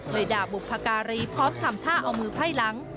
ด่าบุพการีพร้อมทำท่าเอามือไพ่หลัง